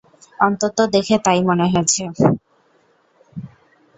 অন্তত দেখে তাই মনে হয়েছে?